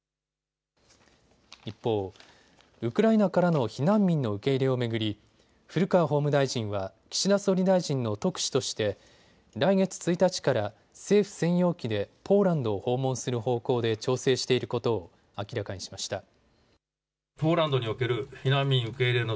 一方、ウクライナからの避難民の受け入れを巡り古川法務大臣は岸田総理大臣の特使として来月１日から政府専用機でポーランドを訪問する方向で調整していることを明らかにしました。